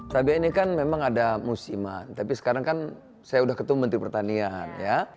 sabia ini kan memang ada musiman tapi sekarang kan saya udah ketemu menteri pertanian ya